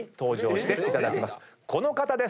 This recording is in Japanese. この方です。